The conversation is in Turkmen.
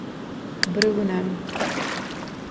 Bir günem…